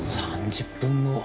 ３０分後？